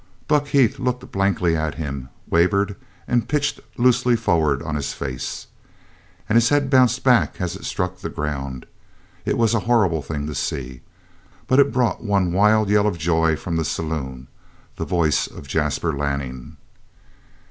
Buck Heath looked blankly at him, wavered, and pitched loosely forward on his face. And his head bounced back as it struck the ground. It was a horrible thing to see, but it brought one wild yell of joy from the saloon the voice of Jasper Lanning.